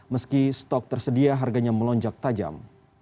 meski stok tersedia harganya melonjak tajam